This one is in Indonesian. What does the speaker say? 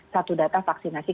satu data vaksinasi